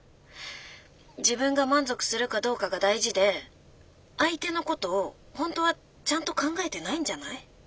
自分が満足するかどうかが大事で相手のことを本当はちゃんと考えてないんじゃない？